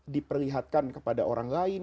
diperlihatkan kepada orang lain